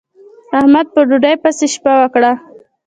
احمد په ډوډۍ پسې شپه وکړه.